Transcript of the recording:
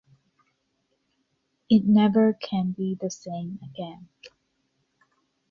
It never can be the same again.